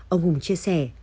ông hùng chia sẻ